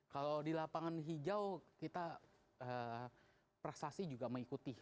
kalau di lapangan hijau kita prestasi juga mengikuti